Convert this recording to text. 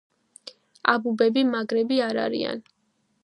აბუბები მაგრები არ არიან